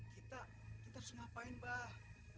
kita harus ngapain mbak